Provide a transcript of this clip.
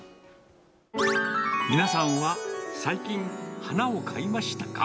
皆さんは最近、花を買いましたか？